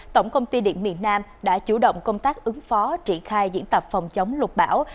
tổng công ty điện miền nam đã chủ động công tác ứng phó triển khai diễn tập phòng chống lục bão